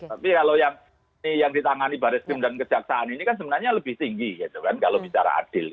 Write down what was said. tapi kalau yang ditangani baris krim dan kejaksaan ini kan sebenarnya lebih tinggi gitu kan kalau bicara adil